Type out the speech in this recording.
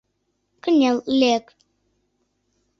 Кынел, лек!